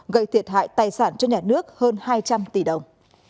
gây thiệt hại tài sản cho nhà nước hơn hai trăm linh tỷ đồng